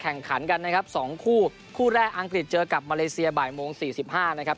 แข่งขันกันนะครับสองคู่คู่แรกอังกฤษเจอกับมาเลเซียบ่ายโมง๔๕นะครับ